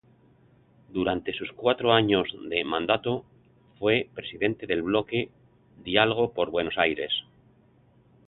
Durante sus cuatro años de mandato, fue presidente del bloque Diálogo por Buenos Aires.